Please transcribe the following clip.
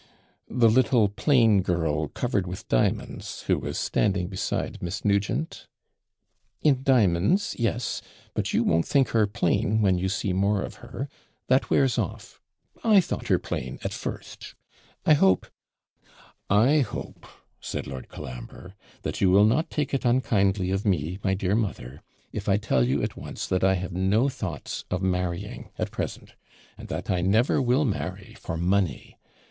'The little, plain girl, covered with diamonds, who was standing beside Miss Nugent?' 'In di'monds, yes. But you won't think her plain when you see more of her that wears off; I thought her plain, at first I hope ' 'I hope,' said Lord Colambre, 'that you will not take it unkindly of me, my dear mother, if I tell you, at once, that I have no thoughts of marrying at present and that I never will marry for money.